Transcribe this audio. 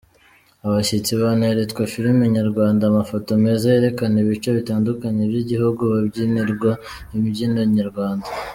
Abashyitsi baneretswe filimi nyarwanda, amafoto meza yerekana ibice bitandukanye by’igihugu, babyinirwa imbyino nyarwanda.